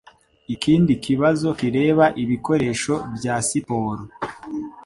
Ikindi kibazo kireba ibikoresho bya siporo.